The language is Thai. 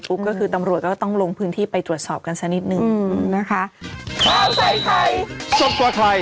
ก็คือตำรวจก็ต้องลงพื้นที่ไปตรวจสอบกันสักนิดนึงนะคะ